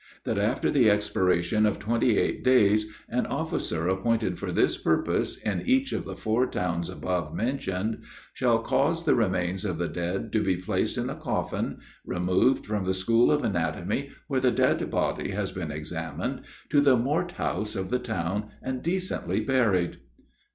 That after the expiration of twenty eight days, an officer appointed for this purpose, in each of the four towns above mentioned, shall cause the remains of the dead to be placed in a coffin, removed from the school of anatomy, where the dead body has been examined, to the mort house of the town and decently buried.